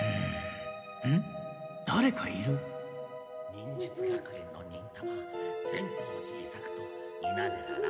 忍術学園の忍たま善法寺伊作と猪名寺乱